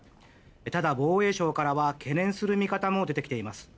ただ、防衛省からは懸念する見方も出てきています。